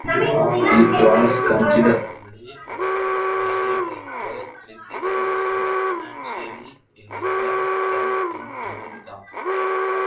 It was considerably better received, both critically and financially, in England than in America.